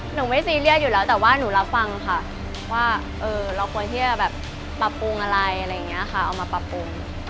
หนูไม่ซีเรียสอยู่แล้วแต่ว่าหนูรับฟังค่ะว่าเราควรที่จะแบบปรับปรุงอะไรอะไรอย่างนี้ค่ะเอามาปรับปรุง